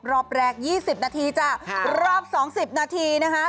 รอบแรก๒๐นาทีจ้ะรอบ๒๐นาทีนะคะ